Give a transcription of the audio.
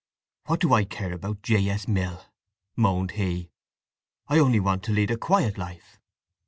"What do I care about J. S. Mill!" moaned he. "I only want to lead a quiet life!